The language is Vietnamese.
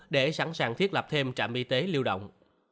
để sẵn sàng thiết lập thêm trạm y tế lưu động